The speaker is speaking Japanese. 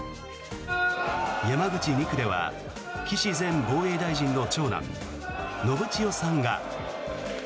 山口２区では岸前防衛大臣の長男信千世さんが。